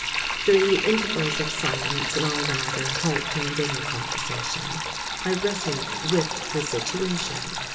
During the intervals of silence in our rather halting dinner conversation, I wrestled with the situation.